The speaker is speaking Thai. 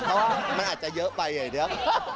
เพราะว่ามันอาจจะเยอะไปอย่างนี้ค่ะ